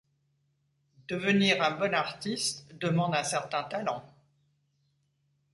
Devenir un bon artiste demande un certain talent.